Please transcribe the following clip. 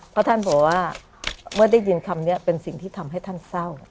เพราะท่านบอกว่าเมื่อได้ยินคำนี้เป็นสิ่งที่ทำให้ท่านเศร้า